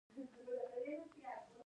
مېلمه ته عزت ورکول ښه کار دی.